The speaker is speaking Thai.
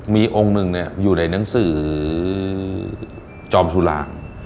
มีองค์หนึ่งอยู่ในหนังสือจอมสุราง